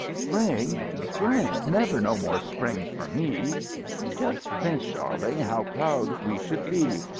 "'Spring' 'spring' never no more springs for me " "Just think, darling, how proud we should be.